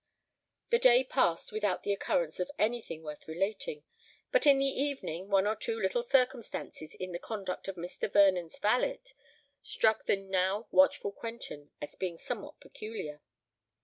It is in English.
The day passed without the occurrence of any thing worth relating; but in the evening one or two little circumstances in the conduct of Mr. Vernon's valet struck the now watchful Quentin as being somewhat peculiar.